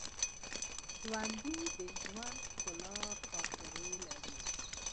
ژوندي د ژوند ښکلي خاطرې لري